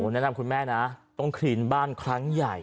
แนะนำคุณแม่นะต้องคลีนบ้านครั้งใหญ่